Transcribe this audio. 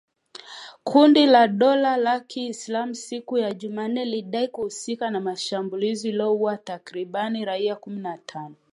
Kundi la dola ya kiislamu siku ya Jumanne lilidai kuhusika na shambulizi lililoua takribani raia kumi na tano